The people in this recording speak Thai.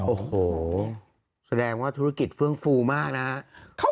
โอ้โหแสดงว่าธุรกิจเฟื่องฟูมากนะครับ